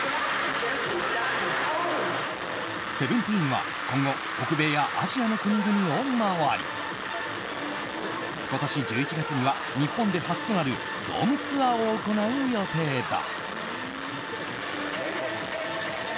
ＳＥＶＥＮＴＥＥＮは今後、北米やアジアの国々を回り今年１１月には日本で初となるドームツアーを行う予定だ。